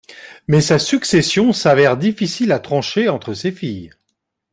Mais sa succession s'avère difficile à trancher entre ses filles.